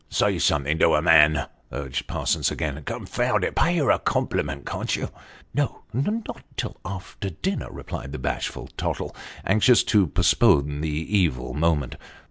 '; Say something to her, man," urged Parsons again. " Confound it ! pay her a compliment, can't you ?"" No ! not till after dinner," replied the bashful Tottle, anxious to postpone the evil moment.